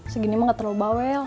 segini mah gak terlalu bawel